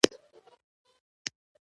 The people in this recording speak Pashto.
تودوخه د انرژۍ منبع ده.